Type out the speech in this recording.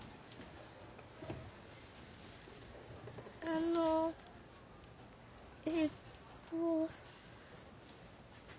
あのえっと。